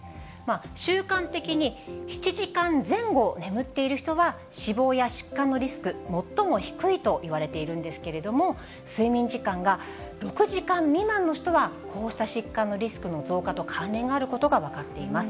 習慣的に７時間前後眠っている人は死亡や疾患のリスク、最も低いといわれているんですけれども、睡眠時間が６時間未満の人はこうした疾患のリスクの増加と関連があることが分かっています。